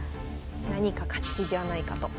何か勝ち筋はないかと。